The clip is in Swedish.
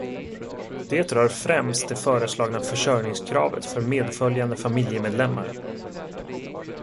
Det rör främst det föreslagna försörjningskravet för medföljande familjemedlemmar.